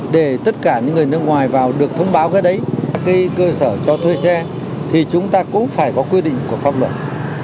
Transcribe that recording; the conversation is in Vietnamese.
để tất cả những người nước ngoài vào được thông báo cái đấy cơ sở cho thuê che thì chúng ta cũng phải có quy định của pháp luật